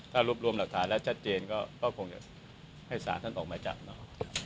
ถ้ารวบรวมหลักฐานแล้วชัดเจนก็คงจะให้สารท่านออกหมายจับเนาะ